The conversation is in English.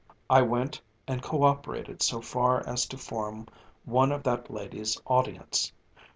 I went and co operated so far as to form one of that lady's audience.